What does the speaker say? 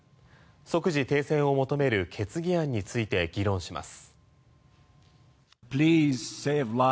即時停戦を求める決議案について議論します。